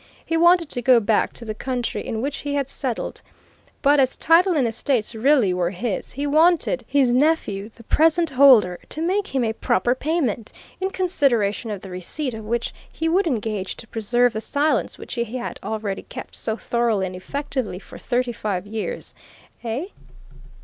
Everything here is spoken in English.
He wanted to go back to the country in which he had settled. But as title and estates really were his, he wanted his nephew, the present holder, to make him a proper payment, in consideration of the receipt of which he would engage to preserve the silence which he had already kept so thoroughly and effectively for thirty five years. Eh?"